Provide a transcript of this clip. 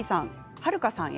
はるかさんへ。